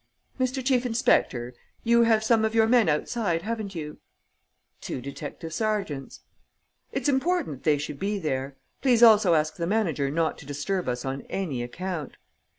"Mr. Chief Inspector, you have some of your men outside, haven't you?" "Two detective sergeants." "It's important that they should be there. Please also ask the manager not to disturb us on any account."